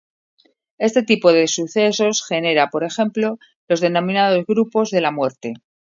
Este tipo de sucesos genera, por ejemplo, los denominados "grupos de la muerte".